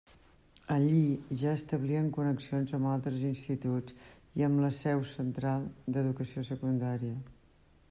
Allí ja establien connexions amb altres instituts i amb la seu central d'Educació Secundària.